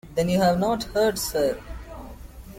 Then you have not heard, sir?